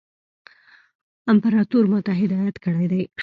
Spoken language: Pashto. امپراطور ما ته هدایت کړی دی.